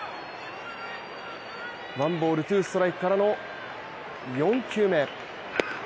１ボール２ストライクからの４球目。